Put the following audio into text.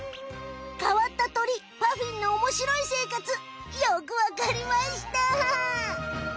かわった鳥パフィンのおもしろいせいかつよくわかりました！